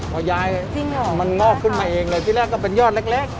พอยายจริงเหรอมันงอกขึ้นมาเองเลยที่แรกก็เป็นยอดเล็ก